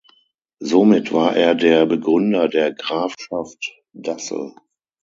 Somit war er der Begründer der Grafschaft Dassel.